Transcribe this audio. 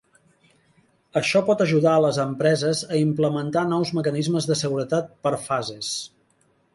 Això pot ajudar les empreses a implementar nous mecanismes de seguretat per fases.